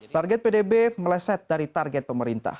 target pdb meleset dari target pemerintah